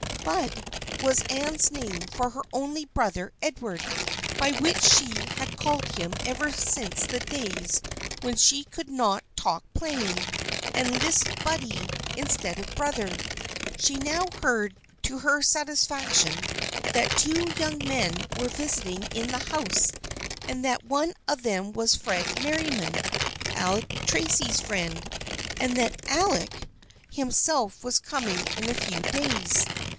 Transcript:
" Bud " was Anne's name for her only brother Edward, by which she had called him ever since the days when she could not " talk plain " and lisped " Buddie " instead of " brother." She now heard to her satisfaction that two young men were visiting in the house and that one of them was Fred Merriam, Alec Tracy's friend, and that Alec 184 THE FRIENDSHIP OF ANNE himself was coming in a few days.